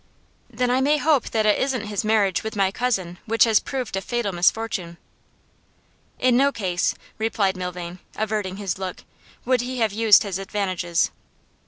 'Then I may hope that it isn't his marriage with my cousin which has proved a fatal misfortune?' 'In no case,' replied Milvain, averting his look, 'would he have used his advantages.